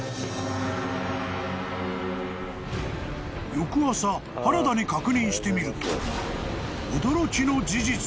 ［翌朝原田に確認してみると］